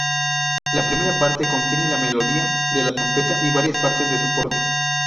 La primera parte contiene la melodía de la trompeta y varias partes de soporte.